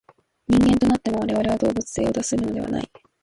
人間となっても、我々は動物性を脱するのではない。